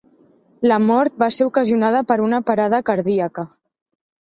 La mort va ser ocasionada per una parada cardíaca.